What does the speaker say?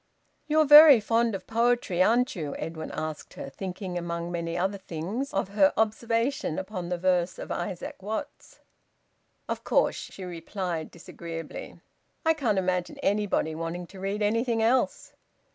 "You're very fond of poetry, aren't you?" Edwin asked her, thinking, among many other things, of her observation upon the verse of Isaac Watts. "Of course," she replied disagreeably. "I can't imagine anybody wanting to read anything else."